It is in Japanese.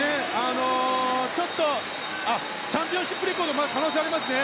チャンピオンシップレコード可能性がありますね。